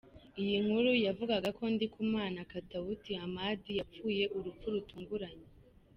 Iyi nkuru yavugaga ko Ndikumana Katawuti Hamadi yapfuye urupfu rutunguranye.